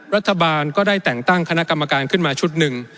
รัฐบาลก็ได้แต่งตั้งคณะกรรมการขึ้นมาชุดหนึ่ง